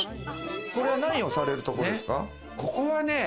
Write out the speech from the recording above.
これは何をされるところですか？